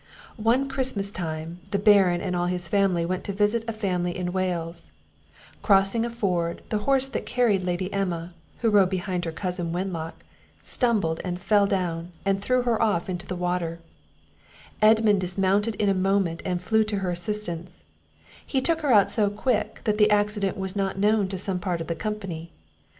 One Christmas time, the Baron and all his family went to visit a family in Wales; crossing a ford, the horse that carried the Lady Emma, who rode behind her cousin Wenlock, stumbled and fell down, and threw her off into the water: Edmund dismounted in a moment, and flew to her assistance; he took her out so quick, that the accident was not known to some part of the company.